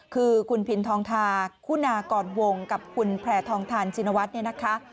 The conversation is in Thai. คือคุณพินทองทาคุณากรวงกับคุณแพร่ทองทานชินวัฒน์เนี่ยนะคะ